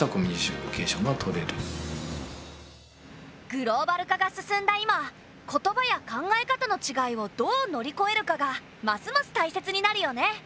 グローバル化が進んだ今言葉や考え方のちがいをどう乗りこえるかがますますたいせつになるよね。